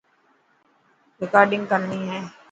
رڪارڊنگ ڪرڻي هي.